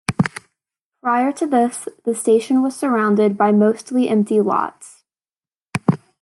Prior to this, the station was surrounded by mostly empty lots.